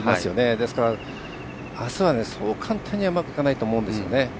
ですから、あすはそう簡単にはうまくいかないと思うんですね。